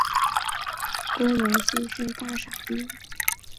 对检察机关自身疫情防控提出进一步具体要求